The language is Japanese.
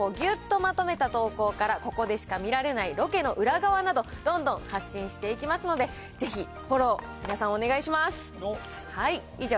ＶＴＲの情報をぎゅっとまとめた投稿から、ここでしか見られないロケの裏側など、どんどん発信していきますので、ぜひフォロー、皆さんお願いします。